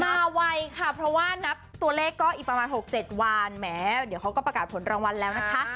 ไวค่ะเพราะว่านับตัวเลขก็อีกประมาณ๖๗วันแหมเดี๋ยวเขาก็ประกาศผลรางวัลแล้วนะคะ